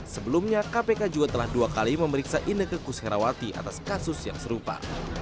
sebelumnya kpk juga telah dua kali memeriksa ineke kus herawati atas kasus yang serupa